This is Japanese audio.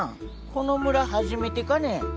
この村初めてかね？